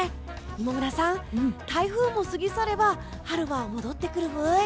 今村さん、台風も過ぎ去れば春は戻ってくるブイ？